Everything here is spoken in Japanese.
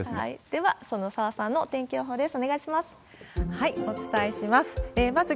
では、その澤さんのお天気予報です。